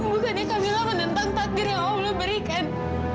bukannya kamilah menentang takdir yang allah berikan